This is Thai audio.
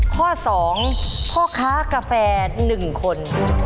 ข้อ๒พ่อค้ากาแฟ๑คน